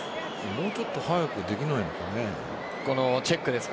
もうちょっと早くできないかね。